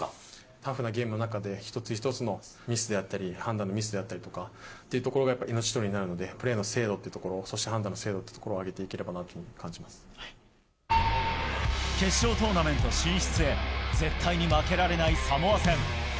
タフなゲームの中で、一つ一つのミスであったり、判断のミスであったりとかっていうところが命取りになるので、プレーの精度ってところ、そして判断の精度っていうところを上げていければなというふうに決勝トーナメント進出へ。、絶対に負けられないサモア戦。